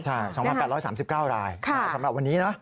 ใช่๒๘๓๙รายสำหรับวันนี้นะ